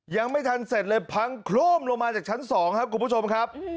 ยังไม่ทันเสร็จเลยพังโคร่มลงมาจากชั้น๒ครับคุณผู้ชมครับ